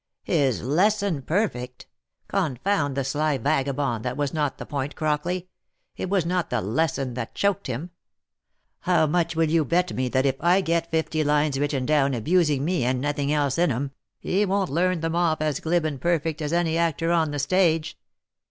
" His lesson perfect ! Confound the sly vagabond, that was not the point, Crockley. It was not the lesson that choked him. How much will you bet me that if I get fifty lines written down abusing me and nothing else in 'em, he won't learn them off as glib and perfect as any actor on the stage